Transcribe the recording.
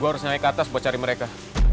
gue harus naik keatas boh cari mereka